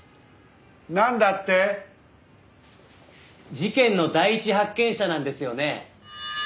事件の第一発見者なんですよね？